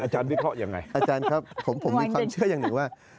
วิเคราะห์ยังไงอาจารย์ครับผมมีความเชื่ออย่างหนึ่งว่า